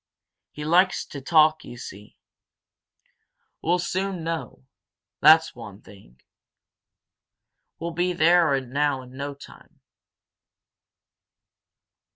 He likes to talk, you see. We'll soon know that's one thing. We'll be there now in no time."